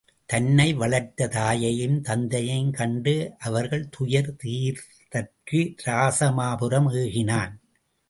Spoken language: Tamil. தன்னை வளர்த்த தாயையும் தந்தையும் கண்டு அவர்கள் துயர் தீர்த்தற்கு இராசமாபுரம் ஏகினான்.